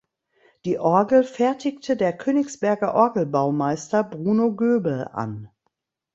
Die Orgel fertigte der Königsberger Orgelbaumeister Bruno Goebel an.